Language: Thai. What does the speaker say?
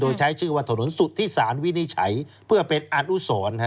โดยใช้ชื่อว่าถนนสุทธิสารวินิจฉัยเพื่อเป็นอนุสร